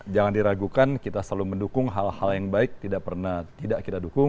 jangan diragukan kita selalu mendukung hal hal yang baik tidak pernah tidak kita dukung